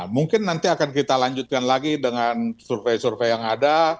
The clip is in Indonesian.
mungkin nanti akan kita lanjutkan lagi dengan survei survei yang ada